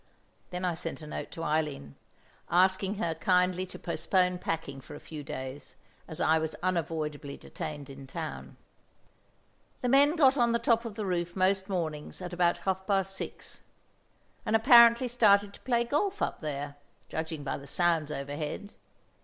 Then I sent a note to Eileen, asking her kindly to postpone packing for a few days, as I was unavoidably detained in town. The men got on the top of the roof most mornings at about half past six, and apparently started to play golf up there—judging by the sounds overhead.